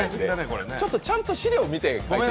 ちょっとちゃんと資料を見て。